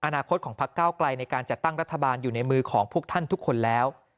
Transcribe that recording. อนาคตของพักเก้าไกลในการจัดตั้งรัฐบาลอยู่ในมือของพวกท่านทุกคนแล้ว